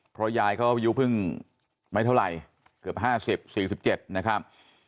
เพราะยายเขาอายุเพิ่งไม่เท่าไหร่เกือบ๕๐๔๗นะครับ